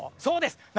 そうです